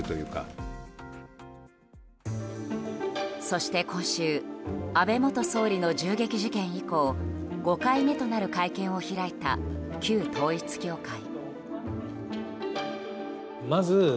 そして今週安倍元総理の銃撃事件以降５回目となる会見を開いた旧統一教会。